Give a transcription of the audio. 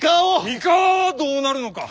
三河はどうなるのか。